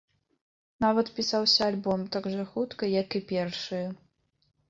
Нават пісаўся альбом так жа хутка, як і першыя.